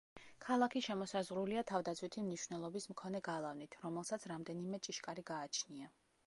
ქალაქი შემოსაზღვრულია თავდაცვითი მნიშვნელობის მქონე გალავნით, რომელსაც რამდენიმე ჭიშკარი გააჩნია.